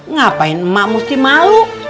ngapain emak mesti malu